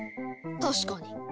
確かに。